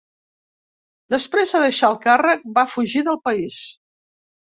Després de deixar el càrrec, va fugir del país.